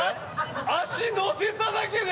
足乗せただけで。